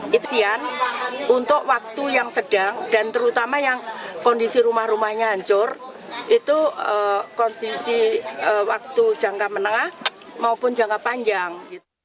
kitsian untuk waktu yang sedang dan terutama yang kondisi rumah rumahnya hancur itu kondisi waktu jangka menengah maupun jangka panjang